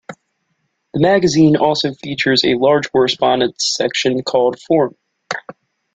The magazine also features a large correspondence section called "Forum".